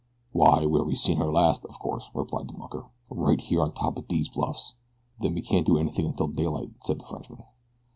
"Why, where we seen her last, of course," replied the mucker. "Right here on top of dese bluffs." "Then we can't do anything until daylight," said the Frenchman.